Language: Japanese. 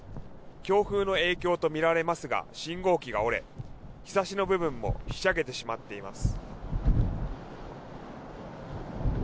強風の影響とみられますが信号機が折れひさしの部分もひしゃげてしまっています。